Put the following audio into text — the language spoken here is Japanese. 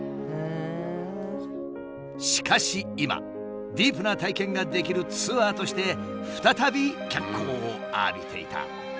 しかし今ディープな体験ができるツアーとして再び脚光を浴びていた。